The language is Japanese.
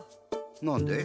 なんで？